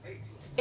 え！